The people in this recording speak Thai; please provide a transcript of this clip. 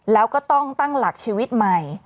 แล้วก็ต้องตั้งหลักชีวิตใหม่